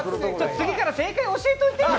次から正解、教えといて。